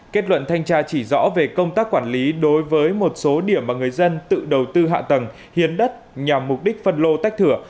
kết luận thanh tra chỉ rõ về công tác quản lý đối với một số điểm mà người dân tự đầu tư hạ tầng hiến đất nhằm mục đích phân lô tách thửa